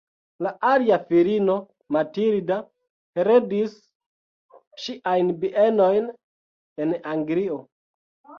La alia filino, Matilda, heredis ŝiajn bienojn en Anglio.